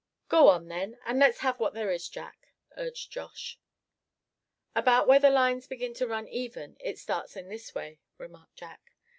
"Go on, then, and let's have what there is, Jack," urged Josh. "About where the lines begin to run even it starts in this way," remarked Jack.